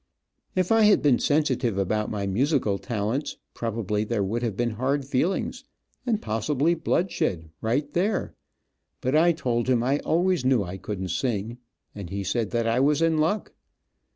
If I had been sensitive about my musical talents, probably there would have been hard feelings, and possibly bloodshed, right there, but I told him I always knew I couldn't sing, and he said that I was in luck.